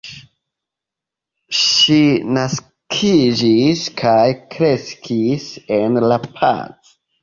Ŝi naskiĝis kaj kreskis en La Paz.